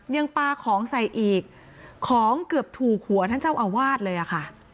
ยังปลาของใส่อีกของเกือบถูกหัวท่านเจ้าอาวาสเลยอะค่ะ